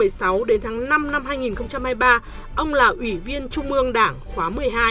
từ tháng sáu năm hai nghìn một mươi năm đến tháng năm năm hai nghìn hai mươi ba ông là ủy viên trung mương đảng khóa một mươi hai